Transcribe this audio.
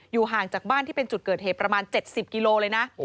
ห่างจากบ้านที่เป็นจุดเกิดเหตุประมาณ๗๐กิโลเลยนะ